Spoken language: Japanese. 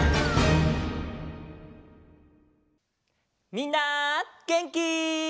みんなげんき？